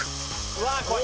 「うわっ怖い！」